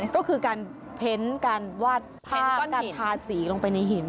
ก็คือการเพนต์การวาดผ้าการทาสีลงไปในหิน